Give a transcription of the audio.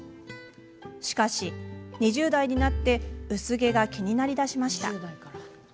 しかし、２０代になって薄毛が気になるようになりました。